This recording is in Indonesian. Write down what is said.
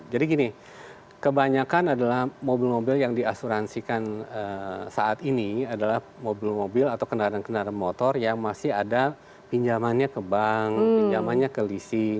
jadi gini kebanyakan adalah mobil mobil yang diasuransikan saat ini adalah mobil mobil atau kendaraan kendaraan motor yang masih ada pinjamannya ke bank pinjamannya ke leasing